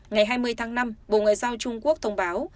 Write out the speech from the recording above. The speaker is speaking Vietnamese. ngày hai mươi tháng năm bộ ngoại giao trung quốc thông báo